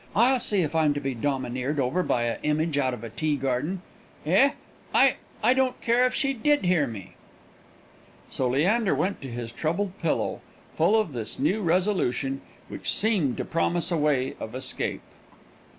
I'll see if I'm to be domineered over by a image out of a tea garden. Eh? I I don't care if she did hear me!" So Leander went to his troubled pillow, full of this new resolution, which seemed to promise a way of escape.